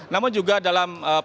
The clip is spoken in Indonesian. namun juga dalam perkembangan